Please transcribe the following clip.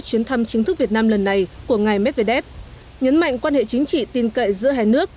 chuyến thăm chính thức việt nam lần này của ngài medvedev nhấn mạnh quan hệ chính trị tin cậy giữa hai nước